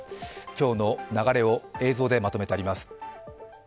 今日の流れを映像でまとめてあります。